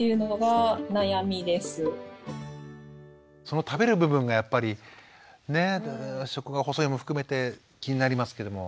その食べる部分がやっぱりねっ食が細いも含めて気になりますけども。